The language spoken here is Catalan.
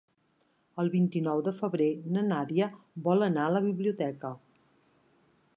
El vint-i-nou de febrer na Nàdia vol anar a la biblioteca.